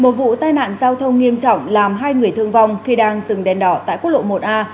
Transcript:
một vụ tai nạn giao thông nghiêm trọng làm hai người thương vong khi đang dừng đèn đỏ tại quốc lộ một a